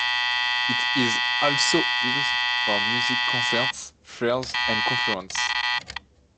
It is also used for music concerts, fairs and conferences.